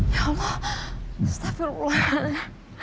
ya allah astaghfirullahaladzim